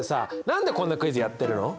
なんでこんなクイズやってるの？